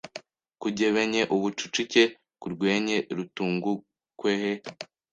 kugebenye ubucucike kurwenye rutugwukwehe